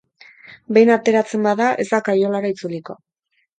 Behin ateratzen bada, ez da kaiolara itzuliko.